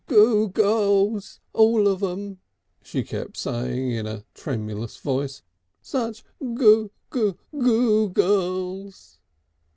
"Goo' girls, all of them," she kept on saying in a tremulous voice; "such goo goo goo girls!"